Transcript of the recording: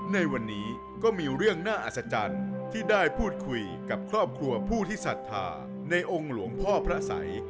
ในวันนี้ก็มีเรื่องน่าอัศจรรย์ที่ได้พูดคุยกับครอบครัวผู้ที่ศรัทธาในองค์หลวงพ่อพระสัย